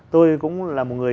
tôi cũng là một người